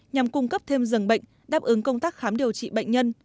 nhằm cung cấp thêm dường bệnh đáp ứng công tác khám điều trị bệnh nhân